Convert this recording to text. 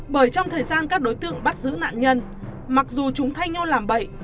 bởi trong thời gian các đối tượng bắt giữ nạn nhân mặc dù chúng thay nhau làm bậy